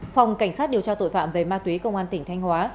phòng cảnh sát điều tra tội phạm về ma túy công an tỉnh thanh hóa